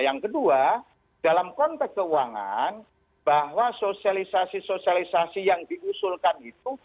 yang kedua dalam konteks keuangan bahwa sosialisasi sosialisasi yang diusulkan itu